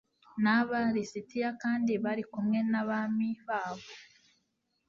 n aba lisitiya kandi bari kumwe nabami babo